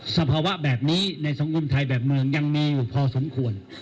สภาวะแบบนี้ในสังคมไทยแบบเมืองยังมีอยู่พอสมควร